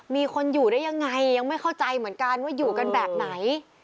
มีคนอยู่ได้ยังไงยังไม่เข้าใจเหมือนกันว่าอยู่กันแบบไหน